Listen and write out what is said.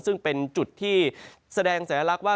ซึ่งเป็นจุดที่แสดงสัญลักษณ์ว่า